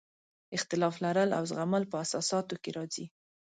اختلاف لرل او زغمل په اساساتو کې راځي.